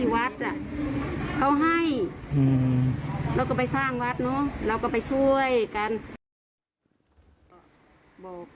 วัดเขาให้แล้วก็ไปสร้างวัดเนอะเราก็ไปช่วยกันบอก